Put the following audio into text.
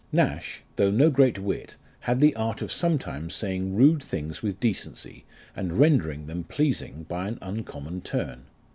Nash, though no great wit, had the art of sometimes saying rude things with decency, and rendering them pleasing by an uncommon turn.